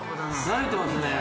・慣れてますね。